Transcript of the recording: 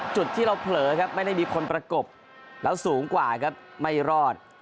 จุดที่เราเผลอครับไม่ได้มีคนประกบแล้วสูงกว่าครับไม่รอด